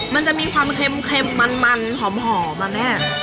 มันจะมีความเค็มมันหอมอ่ะแม่